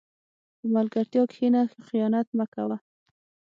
په ملګرتیا کښېنه، خیانت مه کوه.